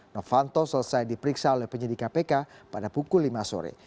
novanto selesai diperiksa oleh penyidik kpk pada pukul lima sore